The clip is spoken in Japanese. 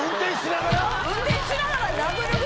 運転しながら殴る。